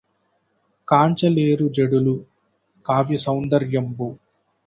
కాంచలేరు జడులు కావ్య సౌందర్యంబు